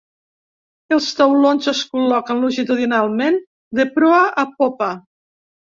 Els taulons es col·loquen longitudinalment de proa a popa.